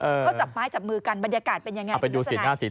เขาจับไม้จับมือกันบรรยากาศเป็นอย่างไร